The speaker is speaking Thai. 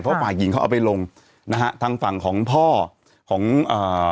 เพราะฝ่ายหญิงเขาเอาไปลงนะฮะทางฝั่งของพ่อของอ่า